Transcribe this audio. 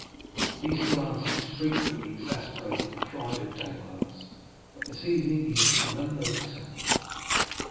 These glances frequently exasperated the pride of Danglars, but this evening he took no notice of them.